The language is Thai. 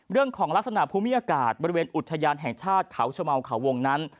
เรื่องของลักษณะภูมิอากาศบริเวณอุทยานแห่งชาติเขาชมเขาวงนั้น